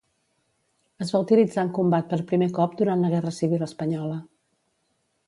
Es va utilitzar en combat per primer cop durant la Guerra civil espanyola.